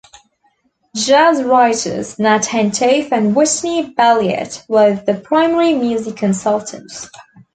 Jazz writers Nat Hentoff and Whitney Balliett were the primary music consultants.